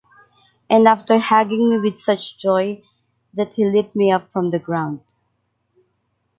and after hugging me with such joy that he lift me up from the ground